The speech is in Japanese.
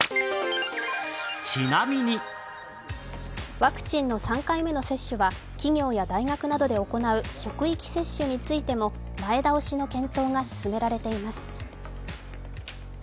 ワクチンの３回目の接種は企業や大学などで行う職域接種についても前倒しの検討が進められています。